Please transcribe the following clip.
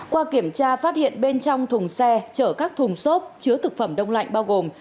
qua kiểm tra phát hiện bên trong thùng xe chở các thùng xốp chứa thực phẩm đông lạnh bao gồm